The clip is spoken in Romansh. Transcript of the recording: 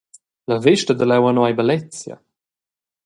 La vesta da leu anora ei bellezia.